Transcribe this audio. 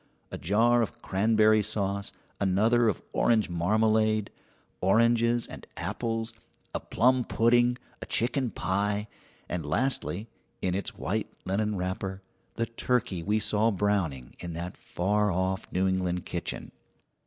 A jar of cranberry sauce, another of orange marmalade, oranges and apples, a plum pudding, a chicken pie, and lastly, in its white linen wrapper, the turkey we saw browning in that far off New England kitchen.